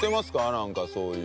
なんかそういう。